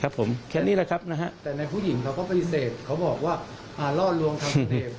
และปฏิเสธที่ครอบครัวฝ่ายหญิงจะแจ้งความรัก